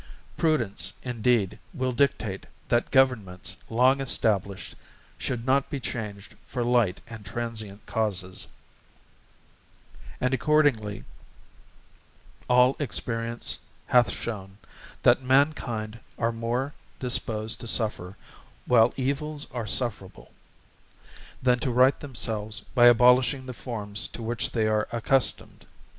Prudence, indeed, will dictate that Governments long established should not be changed for light and transient causes; and accordingly all experience hath shown, that mankind are more disposed to suffer, while evils are sufferable, than to right themselves by abolishing the forms to which they are accustomed.